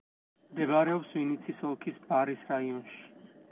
მდებარეობს ვინიცის ოლქის ბარის რაიონში.